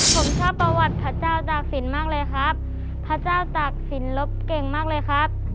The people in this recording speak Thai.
ผมชอบประวัติพระเจ้าตากศิลป์มากเลยครับพระเจ้าตากศิลปเก่งมากเลยครับ